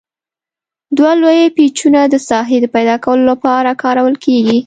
دوه لوی پیچونه د ساحې د پیداکولو لپاره کارول کیږي.